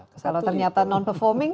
kalau ternyata non performing